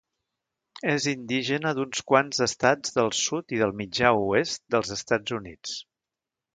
És indígena d'uns quants estats del sud i del mitjà oest dels Estats Units.